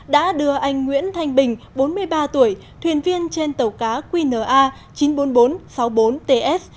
đã đưa anh nguyễn thanh bình bốn mươi ba tuổi thuyền viên trên tàu cá qna chín trăm bốn mươi bốn sáu mươi bốn ts